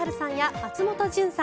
松本潤さん